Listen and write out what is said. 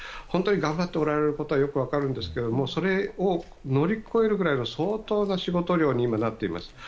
本当に頑張っておられることはよく分かるんですけどそれを乗り越えるぐらいの相当な仕事量に今なっています。